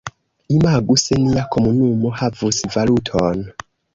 Imagu se nia komunumo havus valuton.